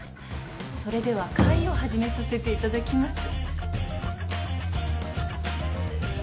それでは会を始めさせていただきます。